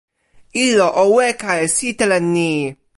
ilo o weka e sitelen ni.